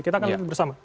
kita akan lihat bersama